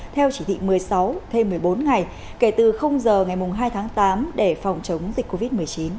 theo chỉ thị một mươi sáu thêm một mươi bốn ngày kể từ giờ ngày hai tháng tám để phòng chống dịch covid một mươi chín